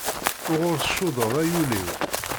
Uɣur tcuddeḍ ay ul-iw.